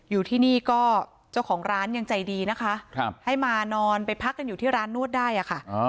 อยู่ที่นี่ก็เจ้าของร้านยังใจดีนะคะให้มานอนไปพักกันอยู่ที่ร้านนวดได้อะค่ะ